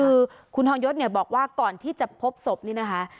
คือคุณทองยศเนี่ยบอกว่าก่อนที่จะพบศพนี่นะคะ